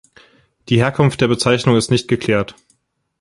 Die Herkunft der Bezeichnung ist nicht geklärt.